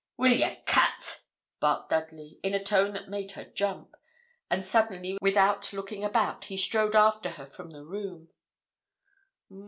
'Will ye cut?' barked Dudley, in a tone that made her jump; and suddenly, without looking about, he strode after her from the room.